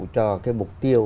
cho cái mục tiêu